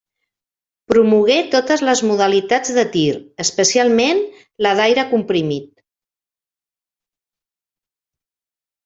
Promogué totes les modalitats de tir, especialment la d'aire comprimit.